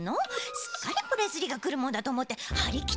すっかりプレスリーがくるもんだとおもってはりきってるのよ？